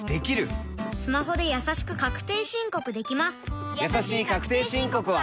スマホでやさしく確定申告できます